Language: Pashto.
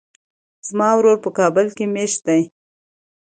زما ورور په کابل کې ميشت ده.